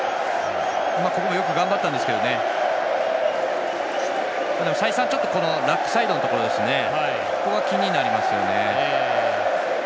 ここでよく頑張ったんですけど再三、ラックサイドのところここが気になりますよね。